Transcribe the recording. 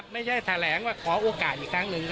ไม่ใช่แถลงว่าขอโอกาสอีกครั้งหนึ่ง